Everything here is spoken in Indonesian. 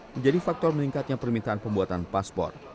menjadi faktor meningkatnya permintaan pembuatan paspor